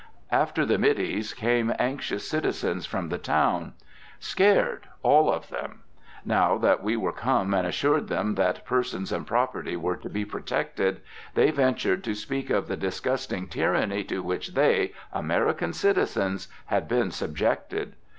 After the middies, came anxious citizens from the town. Scared, all of them. Now that we were come and assured them that persons and property were to be protected, they ventured to speak of the disgusting tyranny to which they, American citizens, had been subjected.